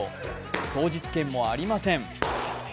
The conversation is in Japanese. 当日券もありません。